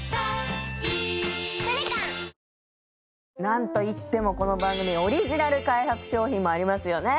なんといってもこの番組オリジナル開発商品もありますよね。